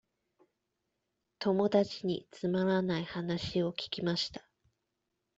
友達につまらない話を聞きました。